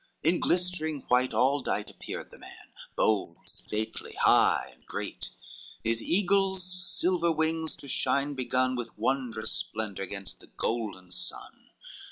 In glistering white all dight Appeared the man, bold, stately, high and great, His eagle's silver wings to shine begun With wondrous splendor gainst the golden sun.